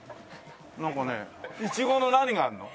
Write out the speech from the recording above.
なんかね苺の何があるの？